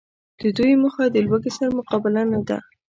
د دوی موخه د لوږي سره مقابله نده